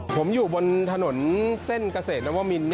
ผมอยู่บนถนนเส้นเกษตรนวมิน